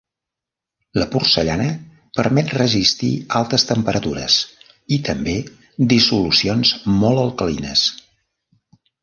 La porcellana permet resistir altes temperatures i, també, dissolucions molt alcalines.